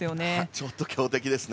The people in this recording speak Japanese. ちょっと強敵ですね。